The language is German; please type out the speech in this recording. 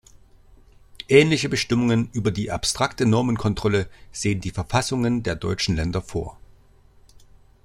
Ähnliche Bestimmungen über die abstrakte Normenkontrolle sehen die Verfassungen der deutschen Länder vor.